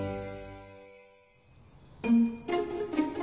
うん！